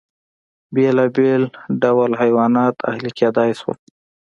بېلابېل ډول حیوانات اهلي کېدای شول.